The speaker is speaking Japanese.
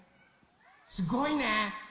すごいね。